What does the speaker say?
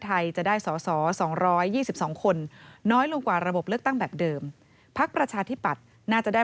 ไทยจะได้สอสอ๒๒คนน้อยลงกว่าระบบเลือกตั้งแบบเดิมพักประชาธิปัตย์น่าจะได้